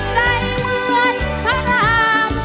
ใจเหมือนพระราม